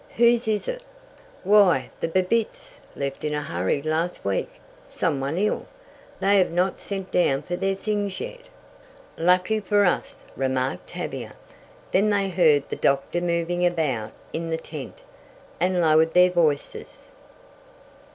Whose is it?" "Why the Babbitts left in a hurry last week some one ill. They have not sent down for their things yet." "Lucky for us," remarked Tavia. Then they heard the doctor moving about in the tent, and lowered their voices.